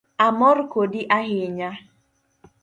Amor kodi ahinya